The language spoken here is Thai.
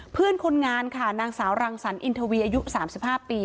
เพื่อนคนงานค่ะนางสาวรังสรรอินทวีอายุ๓๕ปี